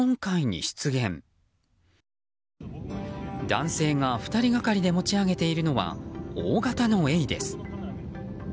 男性が２人がかりで持ち上げているのは大型のエイです。